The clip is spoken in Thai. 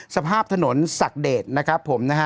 สภาพถนนศักเดชนะครับผมนะฮะ